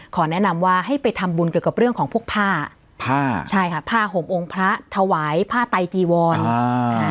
แนะนำว่าให้ไปทำบุญเกี่ยวกับเรื่องของพวกผ้าผ้าใช่ค่ะผ้าห่มองค์พระถวายผ้าไตจีวรอ่า